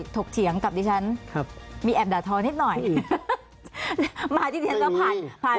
ถกเถียงกับดิฉันครับมีแอบดาดทอนิดหน่อยมาที่เดียนแล้วผ่าน